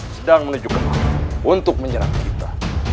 sedang menuju kemana untuk menyerang kita